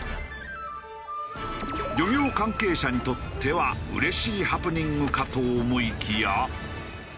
漁業関係者にとってはうれしいハプニングかと思いきや。